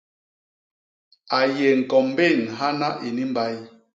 A yé ñkombén hana ini mbay.